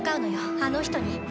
あの人に。